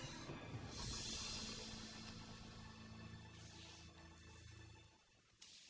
insyaallah enggak pak ustadz sekarang saya mau pembawa ya berikan selamat